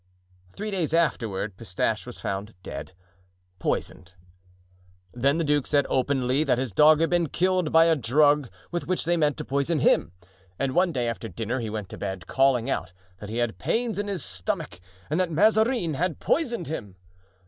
Three days afterward Pistache was found dead—poisoned. Then the duke said openly that his dog had been killed by a drug with which they meant to poison him; and one day after dinner he went to bed, calling out that he had pains in his stomach and that Mazarin had poisoned him.